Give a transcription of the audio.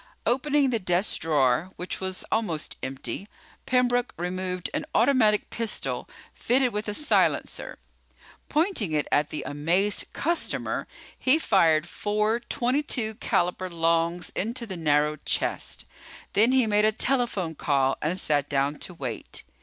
Opening the desk drawer, which was almost empty, Pembroke removed an automatic pistol fitted with a silencer. Pointing it at the amazed customer, he fired four .22 caliber longs into the narrow chest. Then he made a telephone call and sat down to wait.